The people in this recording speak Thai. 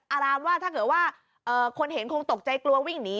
อารามว่าถ้าเกิดว่าคนเห็นคงตกใจกลัววิ่งหนี